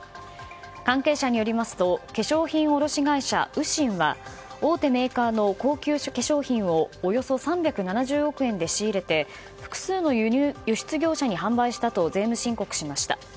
関係者によりますと化粧品卸会社雨辰は大手メーカーの高級化粧品をおよそ３７０億円で仕入れて複数の輸出業者に販売したと税務申告しました。